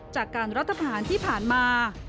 จากการรัฐพาหารที่ผ่านมา